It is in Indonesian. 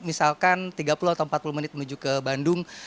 misalkan tiga puluh atau empat puluh menit menuju ke bandung